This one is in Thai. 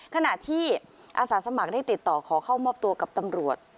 ขณะที่อาสาสมัครได้ติดต่อขอเข้ามอบตัวกับตำรวจ